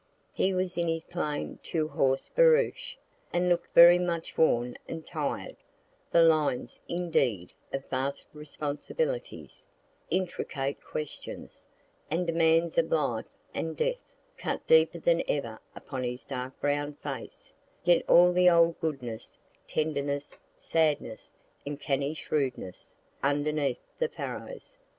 He was in his plain two horse barouche, and look'd very much worn and tired; the lines, indeed, of vast responsibilities, intricate questions, and demands of life and death, cut deeper than ever upon his dark brown face; yet all the old goodness, tenderness, sadness, and canny shrewdness, underneath the furrows.